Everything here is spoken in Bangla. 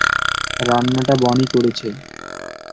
রান্নাটা বনি করেছে।